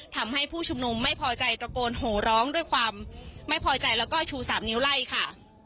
ทำให้ผู้ชุมนุมไม่พอใจตระโกนโหร้องด้วยความไม่พอใจแล้วก็ชู๓นิ้วไล่ค่ะ